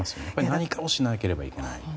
何かをしなければいけない。